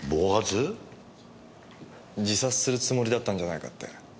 自殺するつもりだったんじゃないかって。